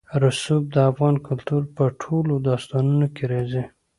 رسوب د افغان کلتور په ټولو داستانونو کې راځي.